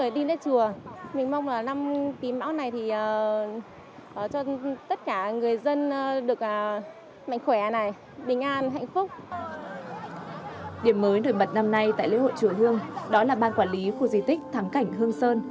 điểm mới nổi bật năm nay tại lễ hội chùa hương đó là ban quản lý khu di tích thắng cảnh hương sơn